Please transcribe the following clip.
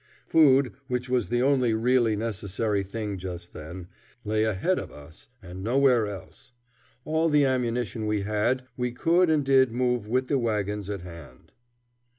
Food, which was the only really necessary thing just then, lay ahead of us and nowhere else. All the ammunition we had we could and did move with the wagons at hand.